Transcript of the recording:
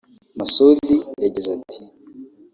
Masudi yagize ati